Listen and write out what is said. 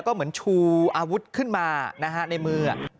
ก็เหมือนชูอาวุธขึ้นมานะฮะในมือ